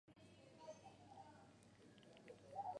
Glee: The Music, The Complete Season One en iTunes